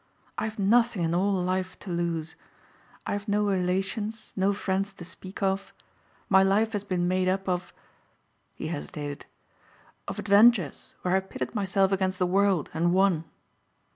I have nothing in all life to lose. I have no relations, no friends to speak of. My life has been made up of," he hesitated, "of adventures where I pitted myself against the world and won."